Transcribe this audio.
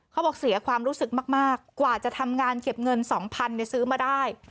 เขาบอกเสียความรู้สึกมากกว่าจะทำงานเก็บเงิน๒๐๐๐ซื้อมาได้